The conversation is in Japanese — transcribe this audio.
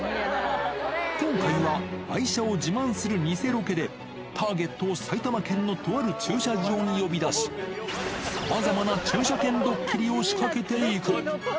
今回は、愛車を自慢する偽ロケで、ターゲットを埼玉県のとある駐車場に呼び出し、さまざまな駐車券ドッキリを仕掛けていく。